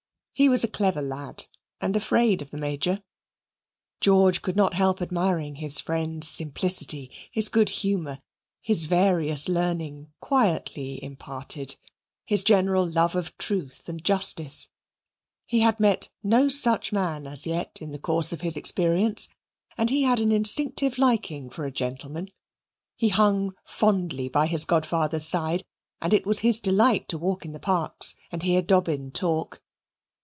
He was a clever lad and afraid of the Major. George could not help admiring his friend's simplicity, his good humour, his various learning quietly imparted, his general love of truth and justice. He had met no such man as yet in the course of his experience, and he had an instinctive liking for a gentleman. He hung fondly by his godfather's side, and it was his delight to walk in the parks and hear Dobbin talk.